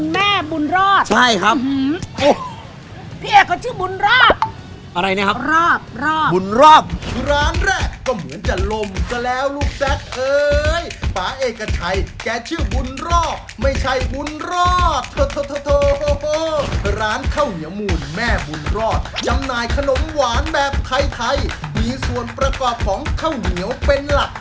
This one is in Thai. แม่ค่องแท้วมากเลยครับทำอะไรค่องแท้วมาก